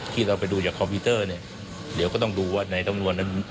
ที่เราไปดูจากคอมพิวเตอร์เนี่ยเดี๋ยวก็ต้องดูว่าในสำนวนนั้น